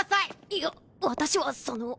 いや私はその。